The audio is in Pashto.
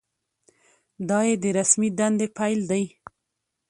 دا یې د رسمي دندې پیل دی.